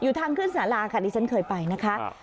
ทางขึ้นสาราค่ะที่ฉันเคยไปนะคะ